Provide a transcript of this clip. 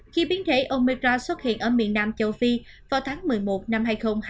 khi biến thể omira xuất hiện ở miền nam châu phi vào tháng một mươi một năm hai nghìn hai mươi